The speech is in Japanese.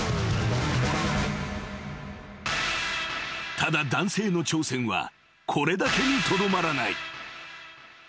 ［ただ男性の挑戦はこれだけにとどまらない］